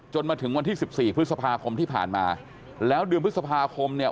มาถึงวันที่สิบสี่พฤษภาคมที่ผ่านมาแล้วเดือนพฤษภาคมเนี่ย